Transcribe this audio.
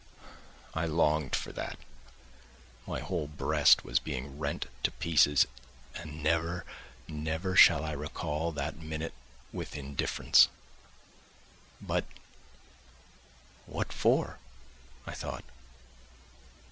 I longed for that, my whole breast was being rent to pieces, and never, never shall I recall that minute with indifference. But—what for? I thought.